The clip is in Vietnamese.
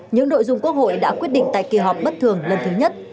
những nội dung quốc hội đã quyết định tại kỳ họp bất thường lần thứ nhất